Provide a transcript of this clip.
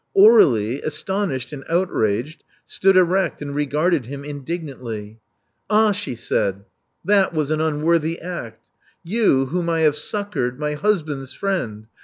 Aur^lie, astonished and outraged, stood erect and regarded him indignantly. Ah," she said. That was an unworthy act. VoUy whom I have succored — my husband's friend!